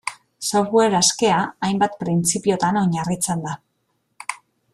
Software askea, hainbat printzipiotan oinarritzen da.